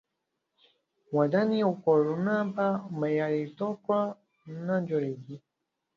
ودانۍ او کورونه په معیاري توګه نه جوړیږي.